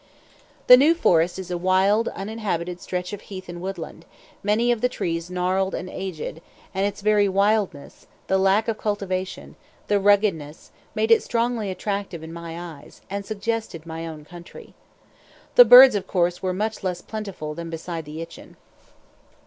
The New Forest is a wild, uninhabited stretch of heath and woodland, many of the trees gnarled and aged, and its very wildness, the lack of cultivation, the ruggedness, made it strongly attractive in my eyes, and suggested my own country. The birds of course were much less plentiful than beside the Itchen.